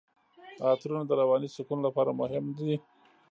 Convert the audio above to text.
عطرونه د رواني سکون لپاره مهم دي.